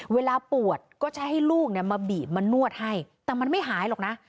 เวลาปวดก็จะให้ลูกมาบีบมานวดให้แต่มันไม่หายหรอกนะ